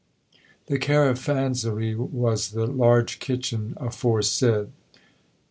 The caravanserai was the large kitchen aforesaid (p.